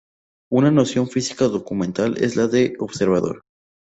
Una noción física fundamental es la de observador.